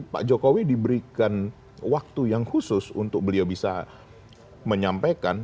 pak jokowi diberikan waktu yang khusus untuk beliau bisa menyampaikan